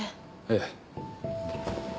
ええ。